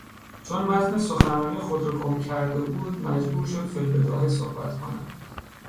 چون متن سخنرانی خود را گم کرده بود مجبور شد فیالبداهه صحبت کند.